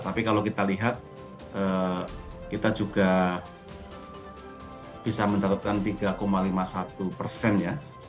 tapi kalau kita lihat kita juga bisa mencatatkan tiga lima puluh satu persen ya